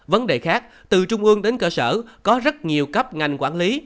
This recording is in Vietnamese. vấn đề khác từ trung ương đến cơ sở có rất nhiều cấp ngành quản lý